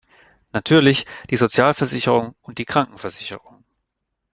Natürlich die Sozialversicherung und die Krankenversicherung.